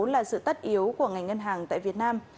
là sự tất yếu của ngành ngân hàng tại việt nam